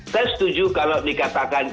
saya setuju kalau dikatakan